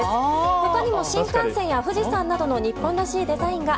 他にも新幹線や富士山などの日本らしいデザインが。